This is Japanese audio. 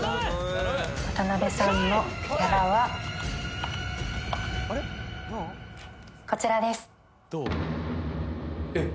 渡辺さんのギャラはこちらですえっ